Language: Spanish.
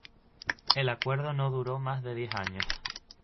El acuerdo no duró más diez años.